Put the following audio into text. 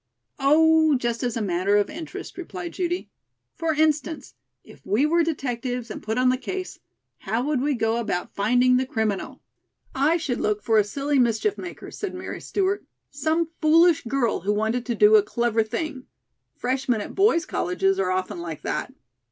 "Oh, just as a matter of interest," replied Judy. "For instance, if we were detectives and put on the case, how would we go about finding the criminal?" "I should look for a silly mischief maker," said Mary Stewart. "Some foolish girl who wanted to do a clever thing. Freshmen at boys' colleges are often like that."